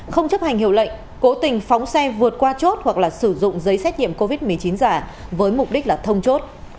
không chấp hành hiệu lệnh cố tình phóng xe vượt qua chốt hoặc là sử dụng giấy xét nghiệm covid một mươi chín giả với mục đích là thông chốt